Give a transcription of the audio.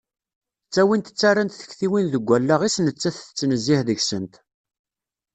Ttawint ttarrant tektiwin deg tallaɣt-is netta-t tettnezzih deg-sent.